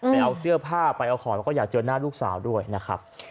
ไปเอาเสื้อผ้าไปเอาของแล้วก็อยากเจอหน้าลูกสาวด้วยนะครับ